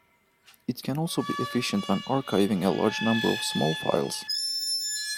It can also be efficient when archiving a large number of small files.